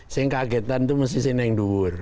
yang kagetan itu mesti saya naik duhur